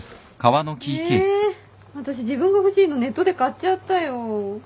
えあたし自分が欲しいのネットで買っちゃったよ